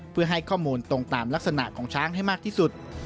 เพื่อให้ข้อมูลตรงตามลักษณะของช้างให้มากที่สุด